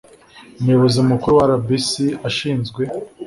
Umuyobozi Mukuru wa RBC ashinzwe